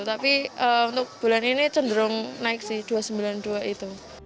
tapi untuk bulan ini cenderung naik sih rp dua puluh sembilan dua ratus itu